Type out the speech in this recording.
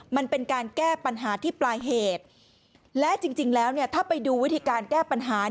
มันเป็นการแก้ปัญหาที่ปลายเหตุและจริงจริงแล้วเนี่ยถ้าไปดูวิธีการแก้ปัญหา